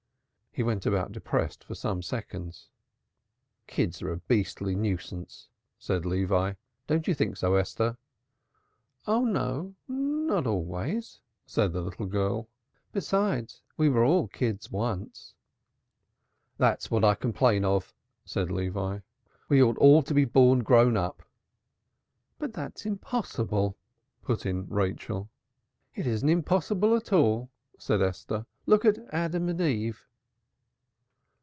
He went about depressed for some seconds. "Kids are a beastly nuisance," said Levi, "don't you think so, Esther?" "Oh no, not always," said the little girl. "Besides we were all kids once." "That's what I complain of," said Levi. "We ought to be all born grown up." "But that's impossible!" put in Rachel. "It isn't impossible at all," said Esther. "Look at Adam and Eve!"